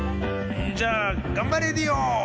じゃあ「がんばレディオ！」。